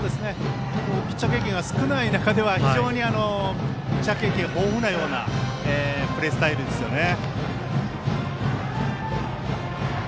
ピッチャー経験が少ない中ではピッチャー経験豊富なようなプレースタイルですよね。